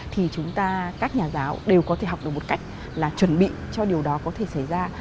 thì chúng ta các nhà giáo đều có thể học được một cách là chuẩn bị cho điều đó có thể xảy ra